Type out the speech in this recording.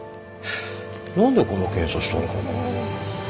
何でこの検査したのかな。